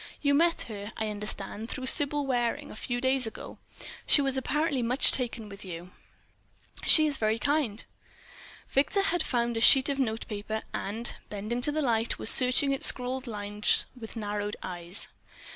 You met her, I understand, through Sybil Waring, a few days ago. She was apparently much taken with you." "She is very kind." Victor had found a sheet of notepaper and, bending to the light, was searching its scrawled lines with narrowed eyes.